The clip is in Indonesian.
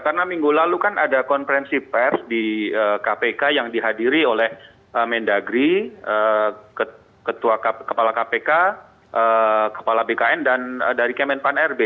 karena minggu lalu kan ada konferensi pers di kpk yang dihadiri oleh mendagri kepala kpk kepala bkn dan dari kemen pan rb